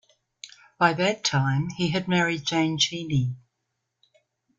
By that time, he had married Jane Cheney.